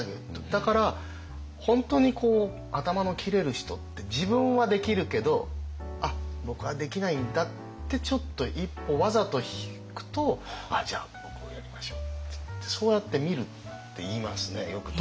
だから本当に頭の切れる人って自分はできるけどあっ僕はできないんだってちょっと一歩わざと引くとあっじゃあ僕がやりましょうっていってそうやって見るって言いますねよく。